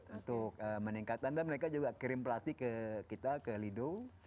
untuk meningkatkan dan mereka juga kirim pelatih ke kita ke lido